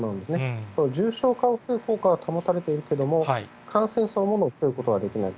やっぱり重症化を防ぐ効果は保たれているけれども、感染そのものを防ぐことはできない。